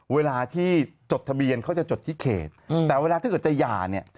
เวลาที่จดทะเบียนเขาจะจดที่เขตแต่เวลาถ้าเกิดจะหย่าเนี่ย